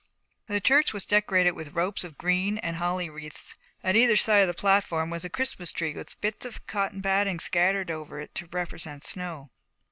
The church was decorated with ropes of green and with holly wreaths. At either side of the platform was a Christmas tree with bits of cotton batting scattered over it to represent snow.